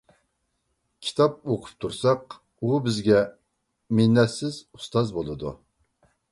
كىتاب ئوقۇپ تۇرساق ئۇ بىزگە مىننەتسىز ئۇستاز بولىدۇ.